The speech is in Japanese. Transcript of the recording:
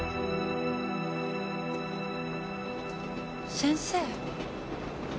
先生。